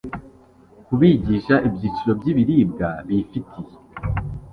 kubigisha ibyiciro by'ibiribwa bifitiye